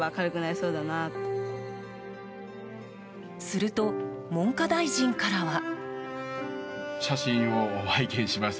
すると、文科大臣からは。